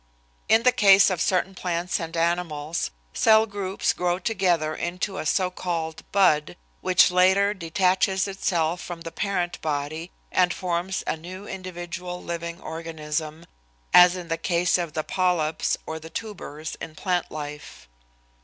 In the case of certain plants and animals, cell groups grow together into a so called "bud," which later detaches itself from the parent body and forms a new individual living organism, as in the case of the polyps or the tubers in plant life.